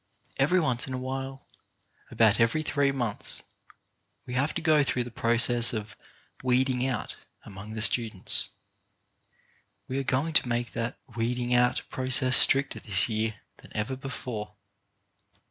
Every once in a while — about every three 1 6 CHARACTER BUILDING months— we have to go through the process of "weeding out" among the students. We are going to make that "weeding out" process more strict this year than ever before.